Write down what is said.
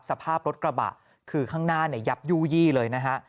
สภาพรถกระบะคือข้างหน้าเนี่ยยับยู่ยี่เลยนะฮะ